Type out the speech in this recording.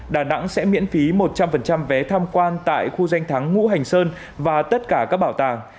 đà nẵng sẽ miễn phí một trăm linh vé tham quan tại khu danh thắng ngũ hành sơn và tất cả các bảo tàng